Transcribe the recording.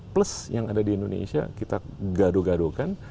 plus yang ada di indonesia kita gaduh gaduhkan